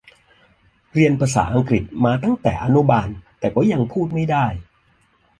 เรียนภาษาอังกฤษมาตั้งแต่อนุบาลแต่ก็ยังพูดไม่ได้